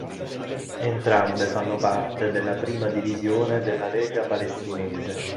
Entrambe fanno parte della I Divisione della Lega Palestinese.